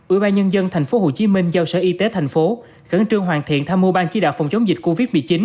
ủy ban nhân dân tp hcm giao sở y tế tp hcm khẩn trương hoàn thiện tham mưu ban chỉ đạo phòng chống dịch covid một mươi chín